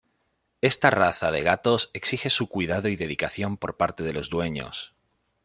Esta raza de gatos exige su cuidado y dedicación por parte de los dueños.